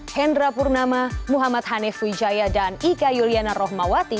hendra purnama muhammad hanif wijaya dan ika yuliana rohmawati